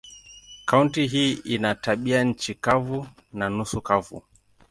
Kaunti hii ina tabianchi kavu na nusu kavu.